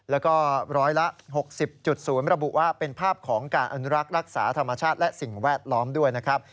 แล้วก็ร้อยละ๖๐๐ระบุว่าเป็นภาพของการอนุรักษ์รักษาธรรมชาติและสิ่งแวดล้อมด้วยนะครับ